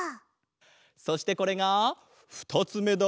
そしてこれがふたつめだ！